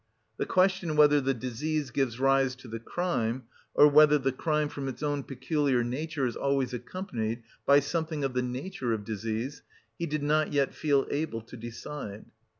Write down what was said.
The question whether the disease gives rise to the crime, or whether the crime from its own peculiar nature is always accompanied by something of the nature of disease, he did not yet feel able to decide.